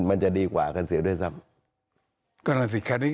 มันจะดีกว่ากันเสียด้วยซ้ำ